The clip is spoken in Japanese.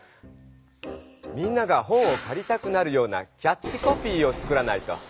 みんなが本をかりたくなるようなキャッチコピーを作らないと。